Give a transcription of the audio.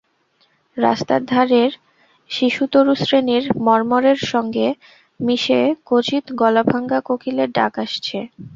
রাস্তার ধারের সিসুতরুশ্রেণীর মর্মরের সঙ্গে মিশে ক্বচিৎ গলাভাঙা কোকিলের ডাক আসছে।